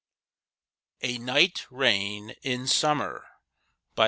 t A Night Rain in Summer [Ed.